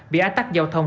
bị át tắt giao thông